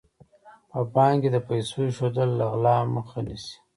په بانک کې د پیسو ایښودل له غلا مخه نیسي.